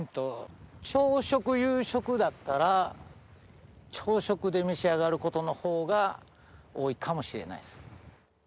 朝食夕食だったら朝食で召し上がることのほうが多いかもしれないです。